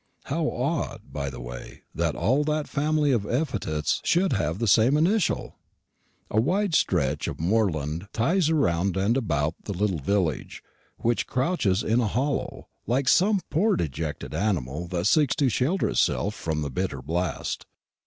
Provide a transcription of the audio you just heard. (How odd, by the way, that all that family of epithets should have the same initial!) A wide stretch of moorland lies around and about the little village, which crouches in a hollow, like some poor dejected animal that seeks to shelter itself from the bitter blast.